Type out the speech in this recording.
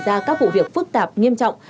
không để xảy ra các vụ việc phức tạp nghiêm trọng